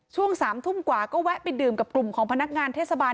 ช่วง๓ทุ่มกว่าก็แวะไปดื่มกับกลุ่มของพนักงานเทศบาล